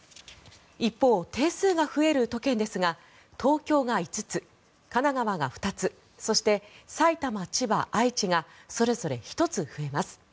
一方、定数が増える都県ですが東京が５つ、神奈川が２つそして埼玉、千葉、愛知がそれぞれ１つ増えます。